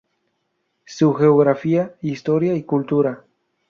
Su geografía, historia y cultura.